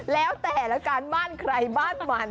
แล้วแต่ละการบ้านใครบ้านมัน